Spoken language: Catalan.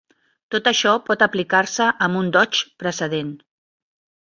Tot això pot aplicar-se amb un "doch" precedent.